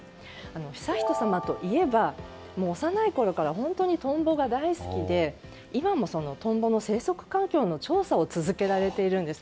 悠仁さまといえば、幼いころから本当にトンボが大好きで今もトンボの生息環境の調査を続けられているんです。